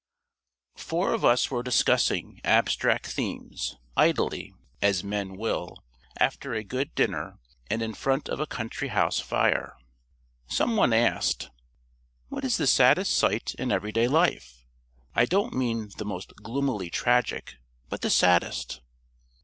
Four of us were discussing abstract themes, idly, as men will, after a good dinner and in front of a country house fire. Someone asked: "What is the saddest sight in everyday life? I don't mean the most gloomily tragic, but the saddest?"